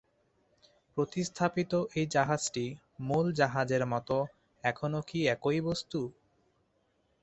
প্রতিস্থাপিত এ জাহাজটি মূল জাহাজের মত এখনও কি একই বস্তু?